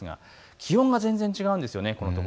気温が全然違うんですよね。